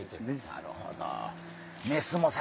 なるほど。